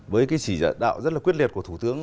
với cái chỉ đạo rất là quyết liệt của thủ tướng